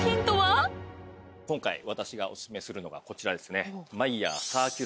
今回私がお薦めするのがこちらですね。